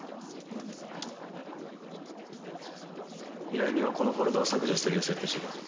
依頼人はこのフォルダを削除するように設定してた。